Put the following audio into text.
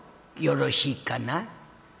よろしいかな。